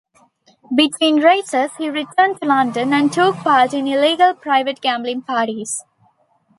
Between races, he returned to London, and took part in illegal private gambling parties.